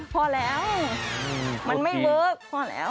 พอแล้วมันไม่เวิร์คพอแล้ว